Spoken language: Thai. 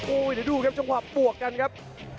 เดี๋ยวดูครับจังหวะบวกกันครับ